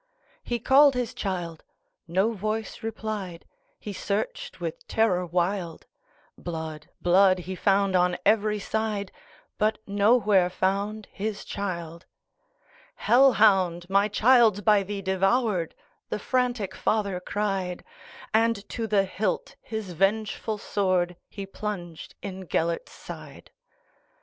He called his child,—no voice replied,—He searched with terror wild; Blood, blood, he found on every side, But nowhere found his child."Hell hound! my child 's by thee devoured,"The frantic father cried; And to the hilt his vengeful swordHe plunged in Gêlert's side.